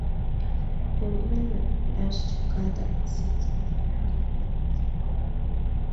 The women were obliged to gather seeds in the fields.